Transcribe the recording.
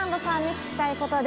聞きたいこと？